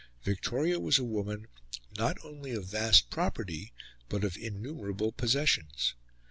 Victoria was a woman not only of vast property but of innumerable possessions.